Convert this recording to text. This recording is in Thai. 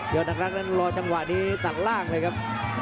อักรักษ์นั้นรอจังหวะนี้ตัดล่างเลยครับ